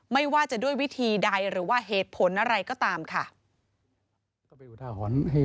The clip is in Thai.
ไม่ว่าจะด้วยวิธีใดหรือว่าเหตุผลอะไรก็ตามค่ะ